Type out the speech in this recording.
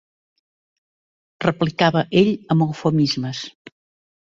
Replicava ell amb eufemismes